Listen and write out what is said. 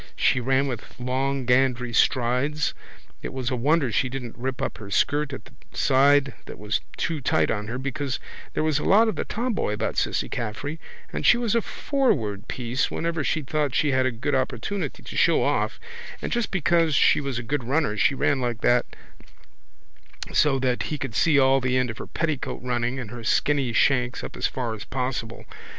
She ran with long gandery strides it was a wonder she didn't rip up her skirt at the side that was too tight on her because there was a lot of the tomboy about Cissy Caffrey and she was a forward piece whenever she thought she had a good opportunity to show off and just because she was a good runner she ran like that so that he could see all the end of her petticoat running and her skinny shanks up as far as possible.